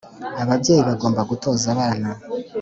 Ababyeyi bagomba gutoza abana